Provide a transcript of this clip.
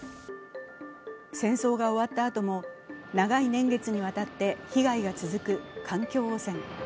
戦争が終わったあとも長い年月にわたって被害が続く環境汚染。